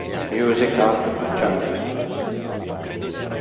Music Hath Charms